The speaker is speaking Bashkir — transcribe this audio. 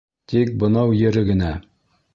Тик бынау ере генә...